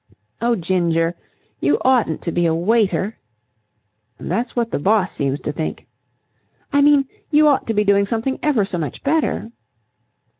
"Oh, Ginger! You oughtn't to be a waiter!" "That's what the boss seems to think." "I mean, you ought to be doing something ever so much better."